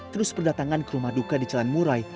terus berdatangan ke rumah duka di jalan murai